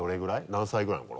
何歳ぐらいの頃？